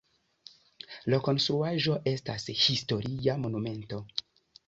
La konstruaĵo estas historia monumento.